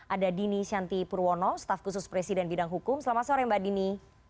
ada dini shanti purwono staf khusus presiden bidang hukum selamat sore mbak dini